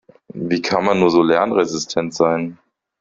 Wie kann man nur so lernresistent sein?